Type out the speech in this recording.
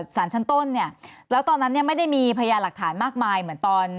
สารชั้นต้นเนี่ยแล้วตอนนั้นเนี่ยไม่ได้มีพยานหลักฐานมากมายเหมือนตอน